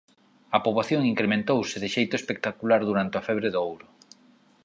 A poboación incrementouse de xeito espectacular durante a febre do ouro.